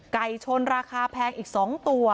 ไก่ชนราคาแพงอีก๒ตัว